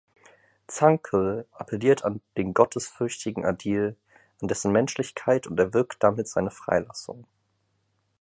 Zankl appelliert an den gottesfürchtigen Adil an dessen Menschlichkeit und erwirkt damit seine Freilassung.